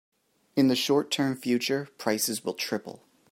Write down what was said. In the short term future, prices will triple.